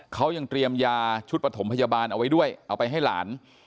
เขายังเตรียมยาชุดปฐมพยาบาลเอาไว้ด้วยเอาไปให้หลาน